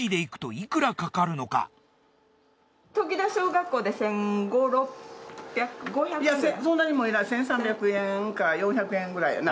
いやそんなにもいらん１，３００円か４００円くらいやな。